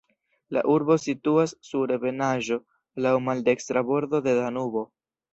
La urbo situas sur ebenaĵo, laŭ maldekstra bordo de Danubo.